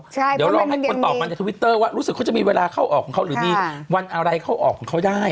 เดี๋ยวลองให้คนตอบมาในทวิตเตอร์ว่ารู้สึกเขาจะมีเวลาเข้าออกของเขาหรือมีวันอะไรเข้าออกของเขาได้